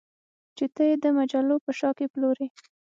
چې ته یې د مجلو په شا کې پلورې